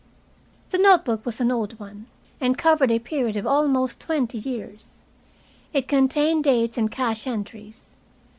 The note book was an old one, and covered a period of almost twenty years. It contained dates and cash entries.